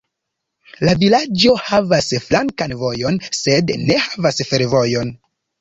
La vilaĝo havas flankan vojon sed ne havas fervojon.